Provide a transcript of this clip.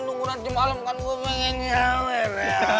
nunggu nanti malam kan gue mau nge nyawer